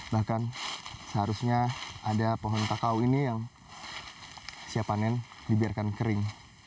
bahkan seharusnya ada pohon kakao ini yang siap panen dibiarkan kering